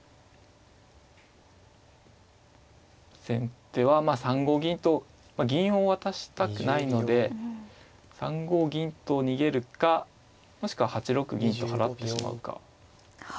先手はまあ３五銀と銀を渡したくないので３五銀と逃げるかもしくは８六銀と払ってしまうか。